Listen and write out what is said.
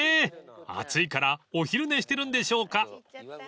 ［暑いからお昼寝してるんでしょうか］